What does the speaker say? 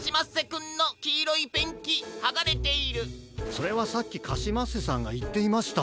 それはさっきカシマッセさんがいっていました。